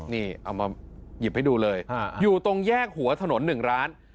นี่เอามาหยิบให้ดูเลยอยู่ตรงแยกหัวถนน๑ร้าน